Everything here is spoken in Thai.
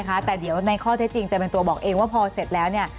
แต่เดี๋ยวในข้อเท็จจริงจะเป็นตัวบอกเองว่าพอเสร็จแล้วเนี่ย